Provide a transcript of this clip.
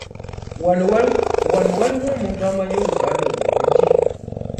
Wano waliwo omuntu amanyi oluganda obulungi?